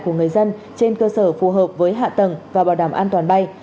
của người dân trên cơ sở phù hợp với hạ tầng và bảo đảm an toàn bay